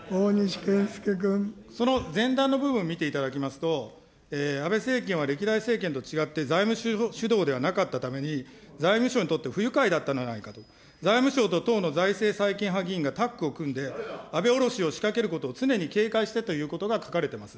その前段の部分見ていただきますと、安倍政権は歴代政権と違って財務主導ではなかったために、財務省にとって不愉快だったのではないかと、財務省と党の財政再建派議員がタッグを組んで、安倍降ろしを仕掛けることを常に警戒してということが書かれてます。